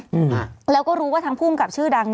เหลือก็รู้ว่าทางพูดกับชื่อดัง